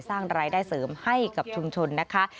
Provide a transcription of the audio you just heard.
สร้างรายได้เสริมให้กับชุมชนนะคะ